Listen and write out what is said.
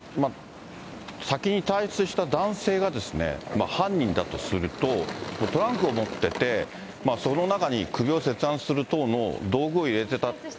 やっぱり吉川さん、先に退室した男性がですね、犯人だとすると、トランクを持ってて、その中に首を切断する等の道具を入れてたって。